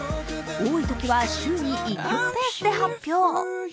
多いときは週に１曲ペースで発表。